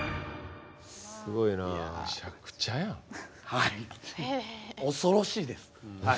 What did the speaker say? はい恐ろしいです。